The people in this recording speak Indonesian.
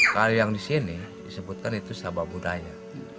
kalau yang di sini disebutkan itu sabah budaya